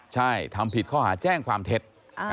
ใช่ทำผิดข้อหาแจ้งความเท็จ